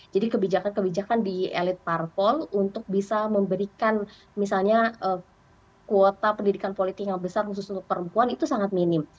jadi kebijakan kebijakan di elit parpol untuk bisa memberikan misalnya kuota pendidikan politik yang besar khusus untuk perempuan itu sangat minim